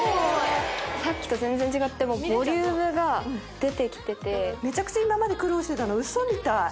・さっきと全然違ってボリュームが出てきててめちゃくちゃ今まで苦労してたのウソみたい！